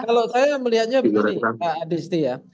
kalau saya melihatnya begini pak adisti ya